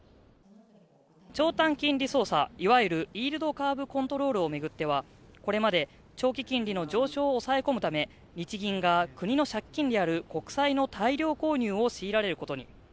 長短金利操作、いわゆるイールドカーブ・コントロールを巡ってはこれまで長期金利の上昇を抑え込むため日銀が国の借金である国債の大量購入を強いられることに。